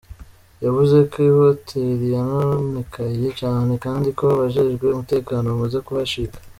Yavuze ko ihoteli yononekaye cane, kandi ko abajejwe umutekano bamaze kuhashika.